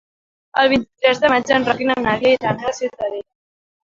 El vint-i-tres de maig en Roc i na Nàdia aniran a Ciutadilla.